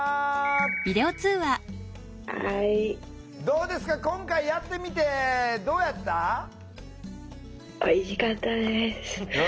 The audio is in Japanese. どうですか今回やってみてどうやった？よかった。